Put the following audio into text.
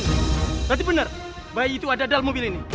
berarti benar bayi itu ada dalam mobil ini